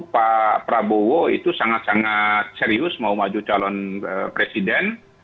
pak prabowo itu sangat sangat serius mau maju calon presiden